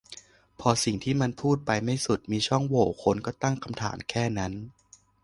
พอสิ่งที่พูดมันไปไม่สุด มีช่องโหว่ คนก็ตั้งคำถาม แค่นั้น